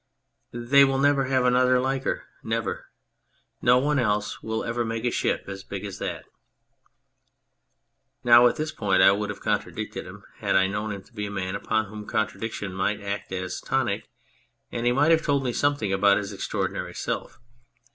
" They will never have another like her never ! No one else will ever make a ship as big as that !' Now at this point I would have contradicted him had I known him to be a man upon whom contradic tion might act as a tonic and he might have told me something about his extraordinary self.